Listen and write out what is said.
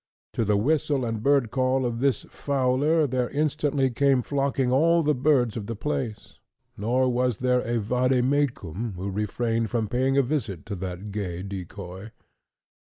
To the whistle and bird call of this fowler there instantly came flocking all the birds of the place; nor was there a vade mecum who refrained from paying a visit to that gay decoy.